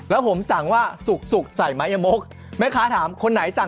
แล้วผมสั่งว่าสุกใส่ไมเยมก